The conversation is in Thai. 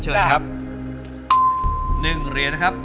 กรุงเทพหมดเลยครับ